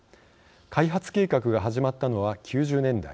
開発計画が始まったのは９０年代。